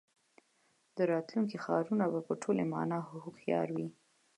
د راتلونکي ښارونه به په ټوله مانا هوښیار وي.